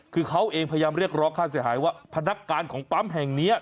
คือเขาเองพยายามเรียกร้องค่าเสียหายว่าพนักงานของปั๊มแห่งนี้